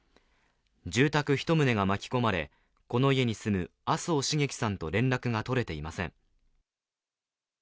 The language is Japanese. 住宅１棟が巻き込まれ、この家に住む麻生繁喜さんと連絡が取れていません。